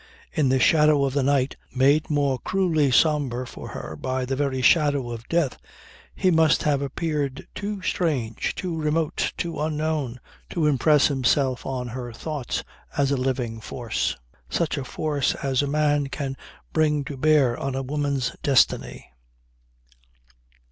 In the shadow of the night made more cruelly sombre for her by the very shadow of death he must have appeared too strange, too remote, too unknown to impress himself on her thought as a living force such a force as a man can bring to bear on a woman's destiny.